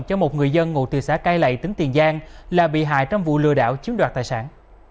cho một người dân ngụ từ xã cai lậy tỉnh tiền giang là bị hại trong vụ lừa đảo chiếm đoạt tài sản